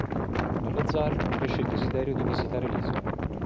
Nello zar cresce il desiderio di visitare l'isola.